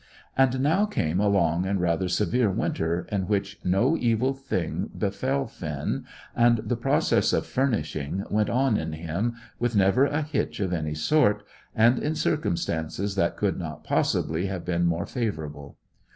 And now came a long and rather severe winter, in which no evil thing befell Finn, and the process of "furnishing" went on in him with never a hitch of any sort, and in circumstances that could not possibly have been more favourable.